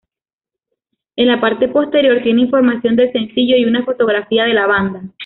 En la parte posterior tiene información del sencillo y una fotografía de la banda.